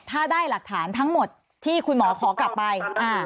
ถ้าได้หลักฐานทั้งหมดที่คุณหมอขอกลับไป